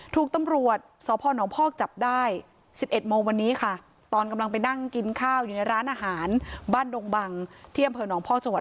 ถูกตำรวจสพนพอกจับได้๑๑โมงวันนี้ค่ะตอนกำลังไปนั่งกินข้าวอยู่ในร้านอาหารบ้านดงบังที่อำเภอหนองพอกจังหวัด